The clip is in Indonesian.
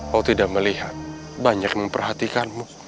kau tidak melihat banyak memperhatikanmu